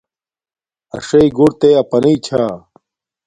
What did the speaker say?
اݽی گھور تے اپناݵ چھا